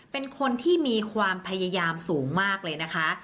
เป็นคนที่มีความพยายามสูงมากเลยนะคะ